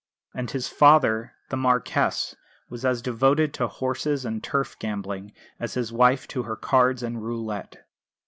And his father, the Marquess, was as devoted to horses and turf gambling as his wife to her cards and roulette.